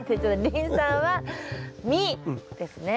リン酸は実ですね。